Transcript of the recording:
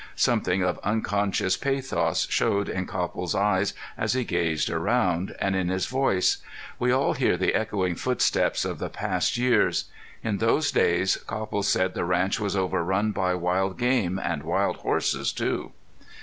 Something of unconscious pathos showed in Copple's eyes as he gazed around, and in his voice. We all hear the echoing footsteps of the past years! In those days Copple said the ranch was overrun by wild game, and wild horses too.